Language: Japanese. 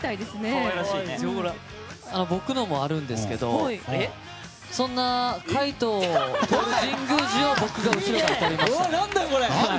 僕のもあるんですけどそんな海人を撮る神宮寺を僕が後ろから撮りました。